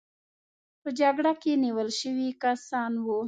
په جګړه کې نیول شوي کسان وو.